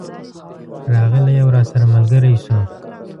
راغلی او راسره ملګری شو.